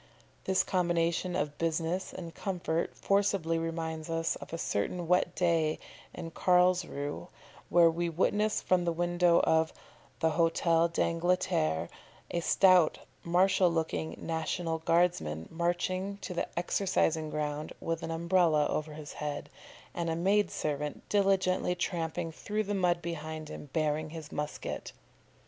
This combination of business and comfort forcibly reminds us of a certain wet day in Carlsruhe, where we witnessed from the window of the HĂ´tel d'Angleterre a stout, martial looking national guardsman marching to the exercising ground with an Umbrella over his head, and a maid servant diligently tramping through the mud behind him, bearing his musket.